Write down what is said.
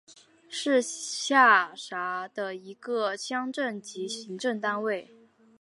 是下辖的一个乡镇级行政单位。